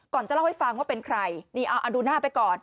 จะเล่าให้ฟังว่าเป็นใครนี่เอาดูหน้าไปก่อน